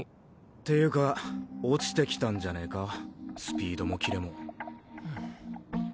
っていうか落ちてきたんじゃねかスピードもキレも。